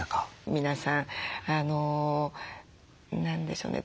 皆さん何でしょうね